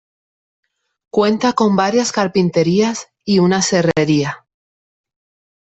Cuenta con varias carpinterías y una serrería.